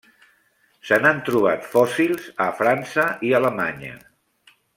Se n'han trobat fòssils a França i Alemanya.